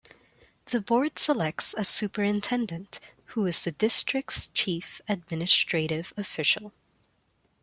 The board selects a superintendent, who is the district's chief administrative official.